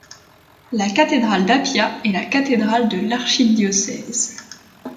La cathédrale d'Apia est la cathédrale de l'archidiocèse.